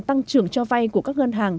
tăng trưởng cho vay của các ngân hàng